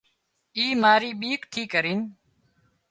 اي ماري ٻيڪ ٿي ڪرينَ